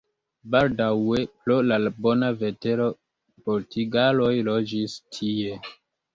Baldaŭe pro la bona vetero portugaloj loĝis tie.